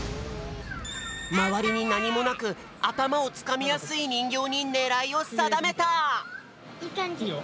まわりになにもなくあたまをつかみやすいにんぎょうにねらいをさだめた！